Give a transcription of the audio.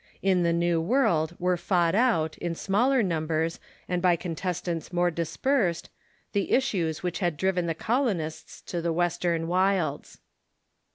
In the New AVorld were fought out, in smaller number!?, and by contestants more dispersed, the issues which had driven the colonists to the Western wilds.